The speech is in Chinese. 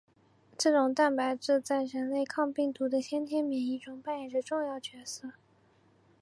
这种蛋白质在人类抗病毒的先天免疫中扮演着重要角色。